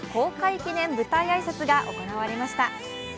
記念舞台挨拶が行われました。